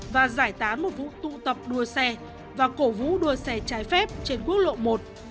và giải tán một vụ tụ tập đua xe và cổ vũ đua xe trái phép trên quốc lộ một